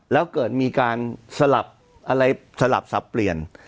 แล้วเกิดมีการสลับอะไรสลับสับเปลี่ยน